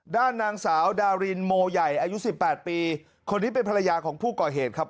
ด้านนางสาวดารินโมใหญ่อายุสิบแปดปีคนนี้เป็นภรรยาของผู้ก่อเหตุครับ